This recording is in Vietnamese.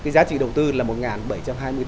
giá trị đầu tư là một bảy trăm hai mươi tỷ đồng